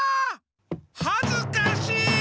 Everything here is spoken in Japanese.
はずかしい！